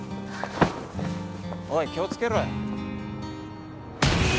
おい気を付けろよ。